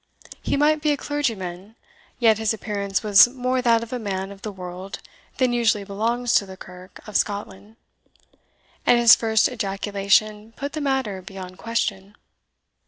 He might be a clergyman, yet his appearance was more that of a man of the world than usually belongs to the kirk of Scotland, and his first ejaculation put the matter beyond question.